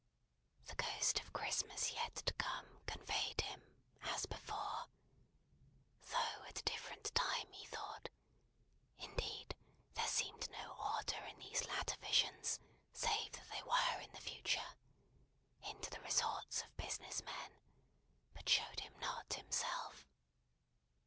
The Ghost of Christmas Yet To Come conveyed him, as before though at a different time, he thought: indeed, there seemed no order in these latter visions, save that they were in the Future into the resorts of business men, but showed him not himself.